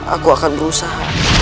aku akan berusaha